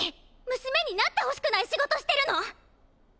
娘になってほしくない仕事してるの？